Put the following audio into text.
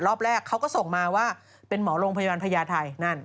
รอบแรกเขาก็ส่งมาว่าเป็นหมอโรงพยาบาลพญาไทยนั่น